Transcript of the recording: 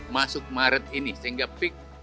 masuk maret ini sehingga peak